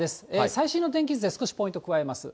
最新の天気図で、少しポイントを加えます。